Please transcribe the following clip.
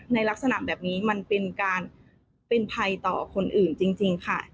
ในลักษณะแบบนี้มันเป็นการเป็นภัยต่อคนอื่นจริงค่ะ